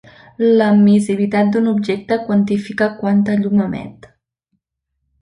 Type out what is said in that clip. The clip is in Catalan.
L'emissivitat d'un objecte quantifica quanta llum emet.